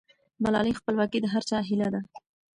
مالي خپلواکي د هر چا هیله ده.